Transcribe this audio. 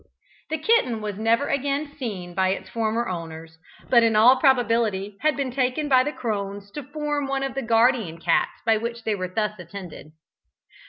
The kitten was never again seen by its former owners, but in all probability had been taken by the crones to form one of the guardian cats by which they were thus attended.